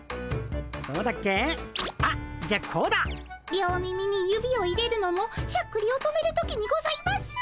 両耳に指を入れるのもしゃっくりを止める時にございます。